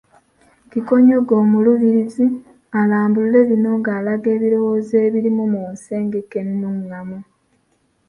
Kikonyogo Omuluubirizi alambulule bino ng’alaga ebirowoozo ebirimu mu nsengeka ennungamu